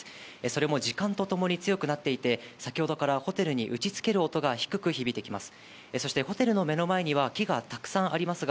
それも時間とともに強くなっていて、先ほどからホテルに打ちつける音が低く響いてきます。